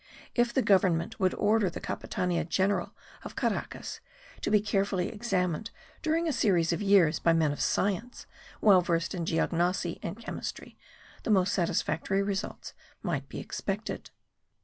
If the government would order the Capitania General of Caracas to be carefully examined during a series of years by men of science, well versed in geognosy and chemistry, the most satisfactory results might be expected.